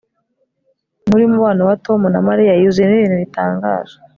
inkuru yumubano wa tom na mariya yuzuyemo ibintu bitangaje